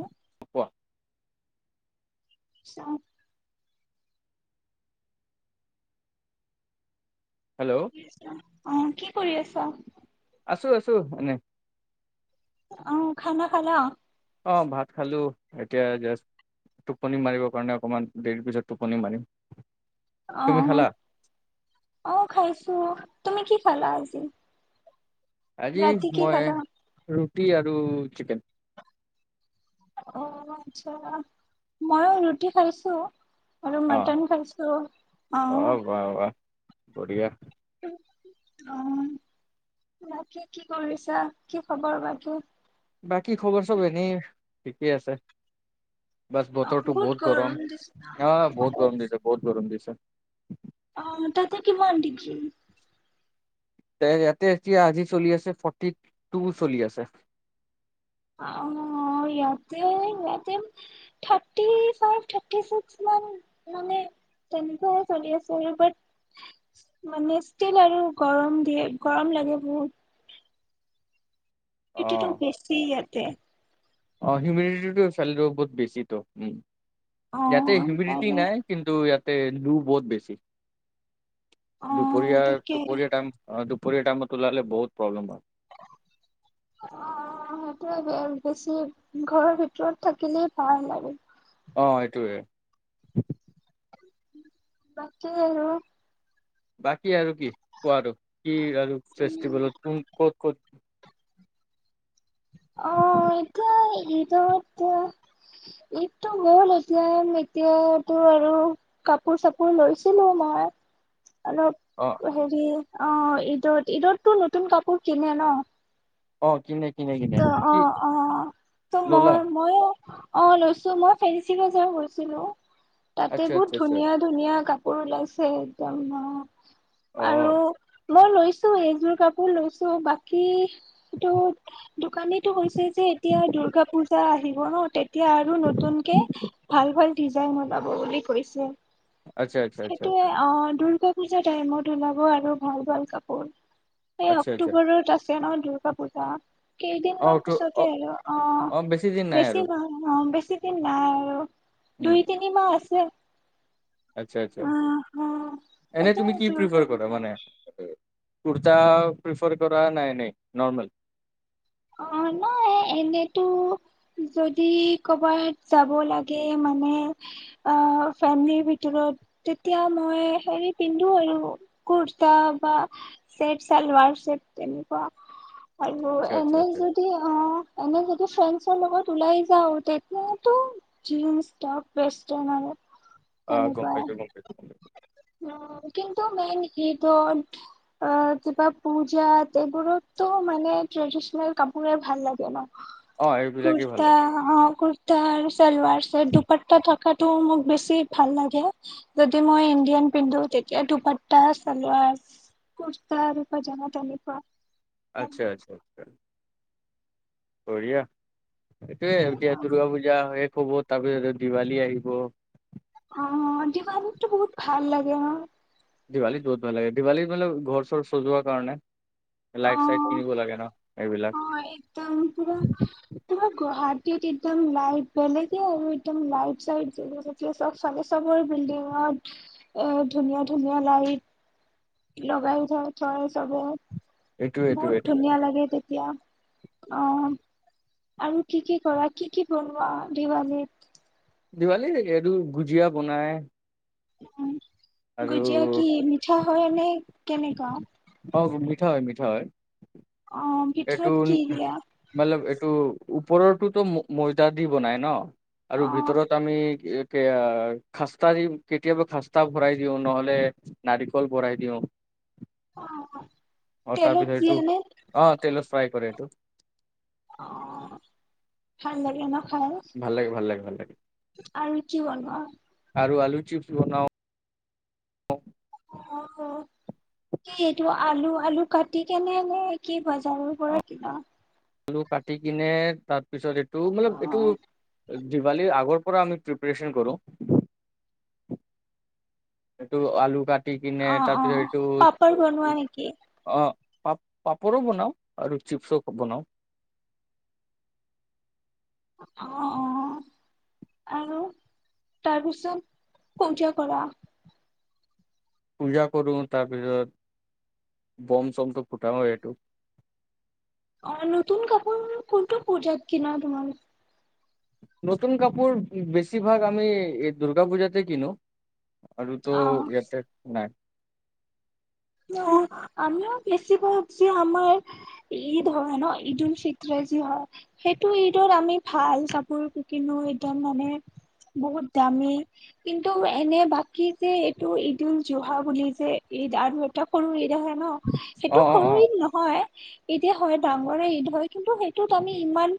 অ ক কোৱা চাত হেল্ল' অ কি? কি কৰি আছা? আছো আছো এনেই অ খানা খালা? অ ভাত খালোঁ এতিয়া জাষ্ট টোপনি মাৰিবৰ কাৰণে অকণমান দেৰি পিছত টোপনি মাৰিম অ তুমি খালা অ খাইছো তুমি কি খালা আজি? আজি ৰাতি কি মই খালা ৰুটি আৰু চিকেন অ আচ্ছা, মইয়ো ৰুটি খাইছো আৰু অ মটন খাইছো অ বাহ বাহ বঢ়িয়া অ বাকি কি কৰিছা? কি খবৰ বাকী বাকী খবৰ চব এনেই ঠিকেই আছে বাছ বতৰটো বহুত গৰম অহ বহুত গৰম দিছে বহুত গৰম দিছে আছা অহ তাতে কিমান ডিগ্ৰী? ইয়াতে এতিয়া আজি চলি আছে ফৰ্টি টু চলি আছে অ ইয়াতে ইয়াতে থাৰটিফাইভ-থাৰটিচিক্স মান মানে তেনেকে চলি আছে আৰু মানে ষ্টীল আৰু গৰম দিয়ে গৰম লাগে বহুত অ তিতিটো বেছি ইয়াতে অ হিউমিডিটিটো চালিটো ওপৰত বেছি তো উ ইয়াতে অ', হিউমডিটি সেইকাৰণে নাই কিন্তু ইয়াতে তে দূৰ বৰ বেছি অ', দুপৰীয়া তাকে দুপৰীয়া টাইম দু দূপুৰিয়াটাইমম তুলাৰিল বহু প্ৰব্ম্লে হয় অ সেইটোৱে ব বেছি ঘৰৰ ভিতৰত থাকিলেই ভাল আৰু অ এইটোৱে বাকী আৰু বাকী আৰু কি কোৱা আৰু কি আৰু ফেষ্টিভেলত কোন ক'ত ক'ত [unintelligible] অহ এতিয়া ঈদত এতিয়া ঈদতটো মল এতিয়া এতিয়াতো আৰু কাপোৰ চাপোৰ লৈছিলো মই অ অলপ হেৰি অ ঈদত ঈদততটো নতুন কাপোৰ কিনে ন। অ কিনে। কিনে কিনে ত অ কি অ ত ললা মই মই অ লৈছো মই ফেঞ্চি বজাৰ গৈছিলো। তাতে আচ্ছা বহুত আচ্ছা আচ্ছা ধুনীয়া ধুনীয়া ক কৰি লাইছে একদম অ আৰু মই লৈছো এইযোৰ কাপোৰ লৈছো বাকীটো দুৰ্গা পূজা আহিব ন? এতিয়া আৰু নতুনকে ভাল হয়। দিজাইন ওলাব বুলি কৈছে। আচ্ছা আচ্ছা আচ্ছা সেইটোয়ে আচ্ছা অ দুৰ্গা পূজা টাইমত ওলাব আৰু ভাল ভাল কাপোৰ। এই আচ্ছা আচ্ছা অক্টোবৰত আছে ন? দুৰ্গা পূজা অ কেইদিনমান ত পিছতে অ হলো অ দিন নাই বেছি আৰু ম অ বেছি দিন নাই আৰু উম দুই তিনি মাহ আছে। আচ্ছা, আচছা অ অ এনে সেইটো তুমি কি দুৰ্গা প্ৰিফাৰ কৰা পূজা মানে কুৰ্তা প্ৰিফাৰ কৰা নে নৰ্মেল? অ নাই এনেতো যদি কৰ'বাত যাব লাগে মানে ফেমিলিৰ ভিতৰত তেতিয়া মই হেৰি পিন্ধো আৰু কুৰ্তা বা চেট চেলবাৰ চেট তেনেকুৱা আৰু আচ্ছা আচ্ছা এনেই আচ্ছা যদি অ এনে যদি ফ্ৰেণ্ডছৰ লগত ওলাই যাওঁ তেতিয়া তো জিন্স টপ যেষ্টন আৰু আহ গম তেনেকুৱাই পাইছো গম পাইছো। উম কিন্তু মেইন সি ইদ হল কিবা পূজা এইবোৰতো মানে ট্ৰেডিচনেল কাপোৰে ভাল লাগে ন ক অ এইবিলাকেই ভাল কুত্তা লাগে অ ক কুৰতা আৰু চেলবাৰ চেত দুপাতা থকাটো মোক বেছি ভাল লাগে যদি মই ইণ্ডিয়ান পিন্ধো তেতিয়া দুপাটা চালাৰ কুৰ্তা আৰু পাজামা তেনেকুৱা ভাল আচ্ছা, আচ্ছা, আচ্ছা। বঢ়িয়া এইয়ে এতিয়া লাগে অ দুৰ্গা পূজা হয় হব তাৰপিছত দিৱালী আহিব। অ দিৱালীতো বহুত ভাল লাগে ন? দেৱালী বহুত ভাল লাগে। দেৱালী হ'লে ঘৰ চৰ সজোৱা কাৰনে। লাইট চাইট অ', কিনিব লাগে ন সেই বিলাক [unintelligible] হয় একদম পুৰা তোমাৰ গুৱাহাটীত একদম লাইট বেলেগে একদম লাইট চাইট জীয়া চব ফালে চবৰে বিল্ডিংত এ ধুনীয়া ধুনীয়া লাইট। লগাই [inaudible] চবে। এইটো এইটো বহুত এইটোৱে ধুনীয়া লাগে তেতিয়া। অ' আৰু কি কি কৰা কি কি বনোৱা দেৱালীত? দেৱালীত এইটো ভুজিয়া বনাই। উম, আৰু গুজিয়া কি মিঠা। হয় এনে কেনেকোৱা। অ গুৰ মিঠা হয় মিঠা হয়। অ', এইটো ভিতৰত কি দিয়া মতলব এইটো ওপৰতো ময়দা দি বনাই ন। আৰু অ', ভিতৰত আমি [unintelligible] খাস্তা দি কেতিয়াবা খাস্তা ভৰাই দিওঁ নহলে নাৰিকল ভৰাই দিওঁ। অ' অ'। অ তাৰ পিছত এইটো অ তেলচ। ফ্ৰাই কৰে এইটো। অ ভাল লাগে ন। হয় ভাল লাগে ভাল লাগে ভাল লাগে আৰু কি বনোৱা। আৰু আলু চিপছ বনাও। অ কি এইটো আলু আলু কাটি কেনে নেকি বজাৰৰ পৰা কিনা। আলু কাটি কিনে তাত পিছত এইটো অ মতলব এইটো। দেৱালীত আগৰ পৰা আমি প্ৰিপ্ৰেৰচণ কৰো। এইটো আলু কাট। টি কিনি অ অ তাৰপিছত এইটো পাপৰ বনোৱা নেকি অ পাপ পাপৰো বনাওঁ আৰু চিপছো বনাওঁ অ অ আৰু তাৰ পিছত উজ কৰা। পূজা কৰো তাৰপিছত বম চমটো ফুটাও এইটো অ নতুন কাপোৰ কোনটো পূজাত কিনা তোমালোকে। নতুন কাপোৰ বেছিভাগ আমি এই দুূৰ্গা পূজাতে কিনো। আৰু টো অ ইয়াতে নাই। অ আমিও বেছিভাগ যে আমাৰ ঈদ হয় ন ঈদল ফিত্ৰ যি হয় সেইটো ঈদত আমি ভাল কাপোৰ কিনো ঈদম মানে বহুত দামী কিন্তু এনে বাকী যে এইটো ঈদ উল জোহা বুলি যে ঈদ আৰু এটা কৰো এ হয় ন সেইটো অ অ অ সৰু নহয়। ঈদে হয় ডাঙৰে ঈদ হয় কিন্তু সেইটোত আমি ইমান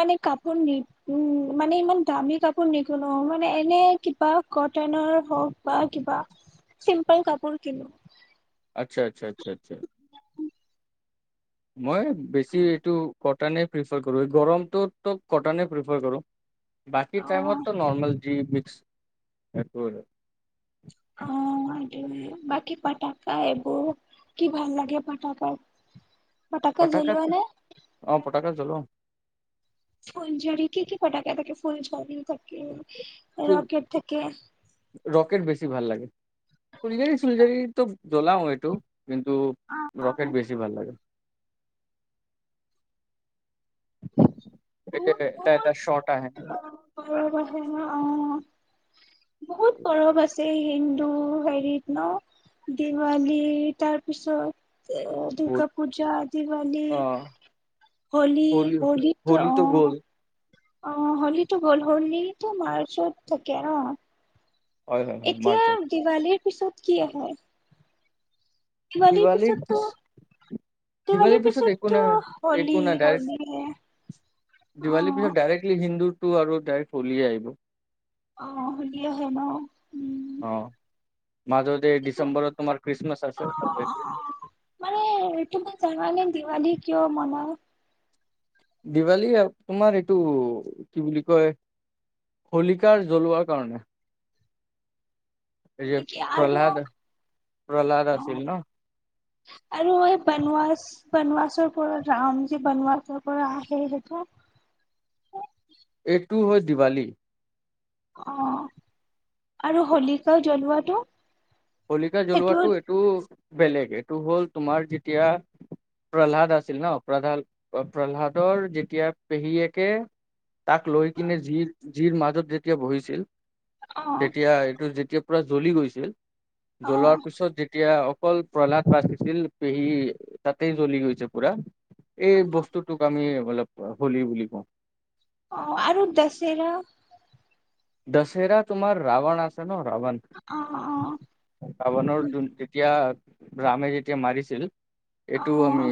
মানে কাপোৰ নি উম মানে ইমান দামী কাপোৰ নিকিনো মানে এনে কিবা কটনৰ হওক বা কিবা চিম্পল কাপোৰ কিনো। আচ্ছা আচ্ছা আচ্ছা আচ্ছা মই বেছি এইটো কটনে প্ৰিফাৰ কৰো এই গৰমটো কটনে প্ৰিফাৰ কৰো বাকী অ টাইমততো নৰ্মেল জি মিক্স অ সটো বাকী পটাকা এইবোৰ কি ভাল লাগে পটাকাৰ পতাকাত অ পতাকাত জ্বলো ফোল জৰি কি কি ফটকে থাকে ফোল জৰি থাকে ৰকেট থাকে ৰকেট বেছি ভাল লাগে ফুলজাৰী চুলজাৰি ত জ্বলাও এইটো কিন্তু ৰকেট বেছি ভাল লাগে এই যে বত এটা এটা শ্বট আহে কথা অ বহুত বৰফ আছে যে হিন্দু হেৰিত ন দিৱালী তাৰপিছত বহুত দুৰ্গা পূজা দিৱালী অ হলী হলিত হোলীটো গ'ল অ অ হলিতো হল হল তো মাৰ্চত থাকে ন হয় হয় হয় এতিয়া মাৰ্চত দিৱালীৰ পিছত কি হয় দিৱালীৰ পিছত টো দিৱালীৰ পিছত টো হলি একো নাই ডাইৰেক্ট হলি হে টো আৰু ডাই্ক হলিয়ে আহিব অ হলিয়ে হয় নহ অ মাজতে ডিচেম্বৰত তোমাৰ খ্ৰীষ্টমাছ আছে মানে এইু মা জালে দিৱালী কিয় মনাই দিৱালী তোমাৰ এইটো কি বুলি কয় হোলিকাৰ জ্বলোৱাৰ কাৰণে এই যে নেকি আৰু প্ৰহ্লাদ প্ৰহ্লাদ আছিল ন আৰু বনৱাসৰ পৰা ৰামজী বনৱাসৰ পৰা আহে সেইটো টো হল দিৱালী অ আৰু হলিকাও জ্বলোৱাতটো শলিকা জ্বলোৱাটো এইটো বেলেগ এইটো হ'ল তোমাৰ যেতিয়া প্ৰহ্লাদ আছিল ন প্ৰহ প্ৰহ্লাদৰ যেতিয়া পেহীয়েকে তাক লৈ কিনে যি যিৰ মাজত যেতিয়া বহিছিল অ তেতিয়া এইটো যেতিয়া পুৰা জ্বলি গৈছিল। অ জ্বলাৰ পিছত যেত তিয়া অকল প্ৰহ্লাদ বাচিছিল, পেহী তাতেই জ্বলি গৈছে পুৰা। এই বস্তুটোক আমি অলপ হলি বুলি কওঁ। অ, আৰু দছেৰা। দছেৰা তোমাৰ ৰাৱণ আছে ন ৰাৱন, অ অ ৰাৱনৰ যোন যেতিয়া ৰাামে যেতিয়া মাৰিছিল। অ এইটোও আমি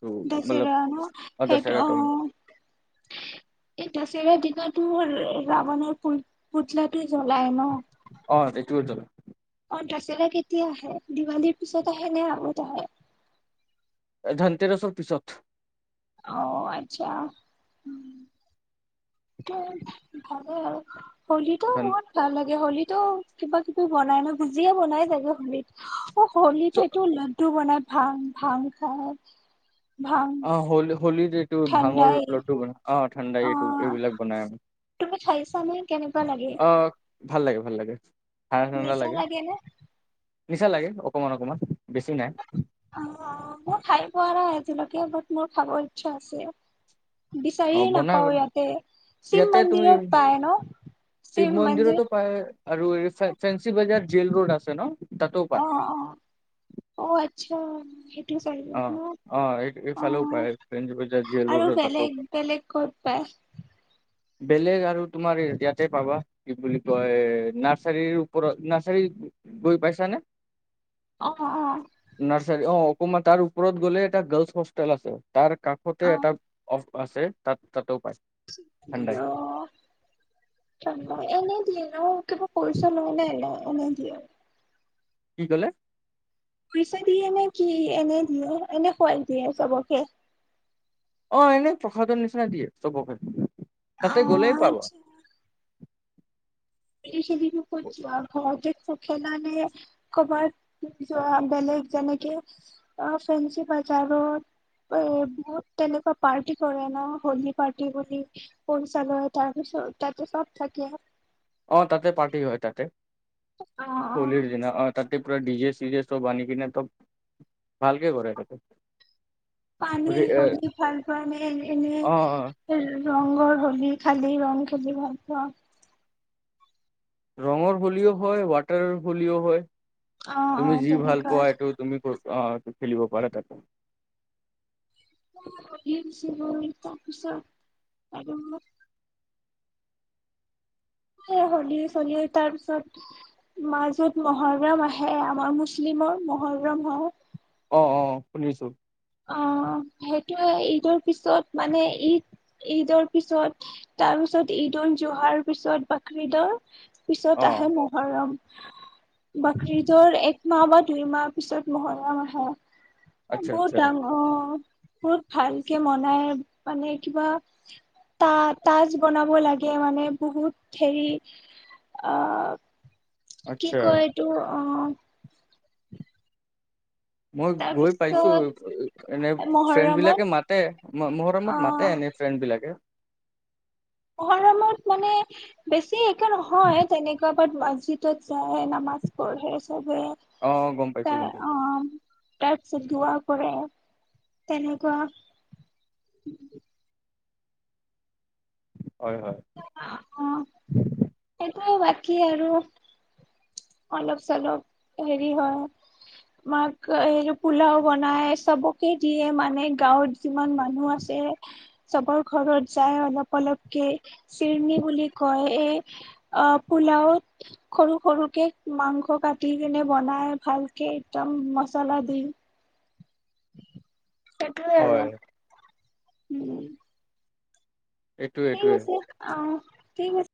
টো মতলব দছেৰা ন, সেইটো অ, এই দছেৰা দিনত তো ৰা ৰাৱণৰ পুই পুতলাটো জ্বলাই ন অ সটো জ্বলা অ দছেৰা কেতিয়া আহে, দিৱালীৰ পিছত আহে নে আগত আহে? এ ধন্ তেৰছৰ পিছত। অ আচ্ছা, উম তোঁ ভালে আৰু। হলীটো ধন মোৰ ভাল লাগ য়ে হলীটো কিবা কিবি বনাই ন, বুজিয়া বনাই চাগে হলীত। অ হলীত চ হেইটো লাড্ডু বনাই ভাং, ভাং খাই। ভাং অ হ'ল হলীৰ এইটো ভাঙৰ ঠাণ্ডাই লড্ডু বনা অ ঠাণ্ডাই এইটো অ' এইবিলাক বনাই আমি, তুমি খাইছানে কেনেকুৱা অ ভাল লাগে, ভাল লাগে। ঠাণ্ডা ঠাণ্ডা নিচা লাগে নে? নিচা লাগে, অকমান অকমান। বেছি নাই অ, মোৰ খাই পোৱা নাই বাকি মোৰ খাব ই চ্ছা আছে। অ বিচাৰিয়ে বনাই নাপাও বনাই। ইয়াতে শিৱ ইয়াতে তুমি মন্দিৰত পায় ন শিৱ মন্দিৰতো পায়, আৰু এই ফে ফেঞ্চি বাজাৰ জেল ৰোড আছে ন তাতো অ, পায় অ অ এ আচ্ছা। সেইটো অ চাইদত ন, অ অ এইফালেও পায় ফেঞ্চি বজাৰ জেল আৰু ৰোড তাতো বেলেগ বেলেগ কত পায়? বেলেগ আৰু তোমাৰ ইয়াতে পাবা, কি বুলি কয় নাৰ্চাৰীৰ ওপৰত, নাৰ্চাৰী গৈ পাইছানে অ', অ', নাৰচাৰি, অ। সোমা তাৰ ওপৰত গ'লে এটা গাৰ্লছ হোষ্টেল আছে। তাৰ অ কাষতে এটা আছে, তাত তাতো পায়। ঠাণ্ডাই ইয এনে দিয়ে। কেৱল পইচা লৈহে এৰেন? নিদিয়ে দৃ কি কলে? পইচা দিয়ে নে কি এনে দিয়ে এনে খুৱাই দিয়ে চবকে অ' এনেই প্ৰসাদৰ নিচিনা দিয়ে, চবকে। তাতে গ'লেই অ' পাবা আচ্ছা এই খিনিত ক'ত যোৱা ঘৰতে পখিলা দিয়ে ক'বাত যোৱা, বেলেগ যেনেকে ফেঞ্চি বজাৰত এ বহুত তেনেকুৱা পাৰ্টি কৰে ন হলি পাৰ্টি বুলি পইচালয় তাৰ পিছত তাতে চব থাকে। অ তাতে পাৰ্টি হয়। তাতে অ', অ', হলীৰ দিনা, অ' তাতো- পোৰা ডিজে চিজে চব আনি কিনে তব ভালকে কৰে তাতে। পানী অ হলী খেলবানে অনেই এনে অ ৰঙৰ হলী খালি ৰং খেলি ভাল পাওঁ ৰংৰ বুলিয কয় । ৱাটাৰৰ হোলীও হয়। অ অ তুমি যি ভাল তেনেকুৱা পোৱা এইটো তুমি ক অ' খেলিব পাৰে তাতে ইন চোৱাই তাৰপিছত আৰু হলী চলি তাৰ পিছত মাজত মহৰম আহে, আমাৰ মুছলিমৰ মহৰম হয়। অ' অ' শুনিছো অ' সেইটোৱে ঈদৰ পিছত মানে ঈদ ঈদৰ পিছত, তাৰপিছত ঈদোত জহাৰ পিছত বাকঈদৰ অ পিছত আহে মহৰম বাকঈদৰ এক মা বা দুই মাহ পিছত মহৰম আহে। আচ্ছা বহুত আচ্ছা। ডাঙৰ অ বহুত ভালকে মনাই, মানে কিবা তা তাজ বনাব লাগে, মানে বহুত হেৰি আ কি আচ্ছা কয় এইটো অ' মই গৈ পাইছো তাৰপিছত এনে ফ্ৰেণ্ড মহৰমত বিলাকে মাতে, অ মৰমত মাতে এনে ফ্ৰেণ্ড বিলাকে। মহৰমত মানে বেছি এ একে নহয় তেনেকুৱা প আজিটো যায় নামাজ পঢ়ে চবে অ গম পাইছো গম তাই অ পাইছো তাই চিলোৱা কৰে তেনেকুৱা হয় হয় উম সেইটো বাকী আৰু অলপ চলপ হেৰি হয় মাক এই পোলাও বনাই চবকে দিয়ে মানে গাঁৱত যিমান মানুহ আছে চবৰ ঘৰত যায় অলপ অলপকে চিৰণী বুলি কয় এই অ পোলাওত সৰু সৰুকে মাংস কাটি কিনে বনাই ভালকে একদম মচলা দি সেতুৱে‌ হয় আৰু উম এইটোয়ে ঠিক এইটোয়ে আছে অ ঠিক আছে